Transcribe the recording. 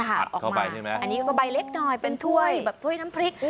เข้าไปใช่ไหมอันนี้ก็ใบเล็กหน่อยเป็นถ้วยแบบถ้วยน้ำพริก